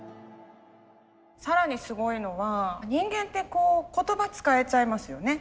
更にすごいのは人間って言葉使えちゃいますよね。